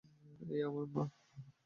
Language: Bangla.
এই আমার মা।